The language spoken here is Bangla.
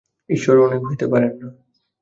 ঈশ্বর অনেক হইতে পারেন না।